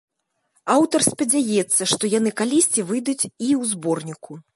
Аўтар спадзяецца, што яны калісьці выйдуць і ў зборніку.